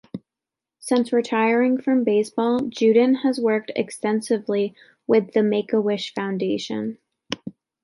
Since retiring from baseball, Juden has worked extensively with the Make-A-Wish Foundation.